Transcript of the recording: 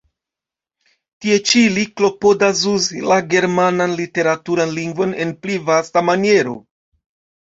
Tie ĉi li klopodas uzi la germanan literaturan lingvon en pli vasta maniero.